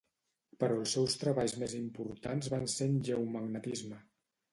Però els seus treballs més importants van ser en geomagnetisme.